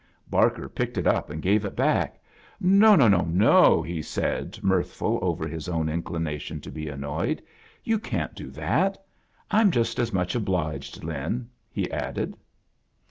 Barker picked it up and gave it hack. "No, no, nol" he said, mirthful over his own inclination to be annoyed; "you can't do that. I'm lust as much obliged, Lin,"' he added.